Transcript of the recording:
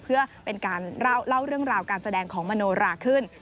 เพื่อเป็นการเล่าเรื่องราวการแสดงของมโนราขึ้น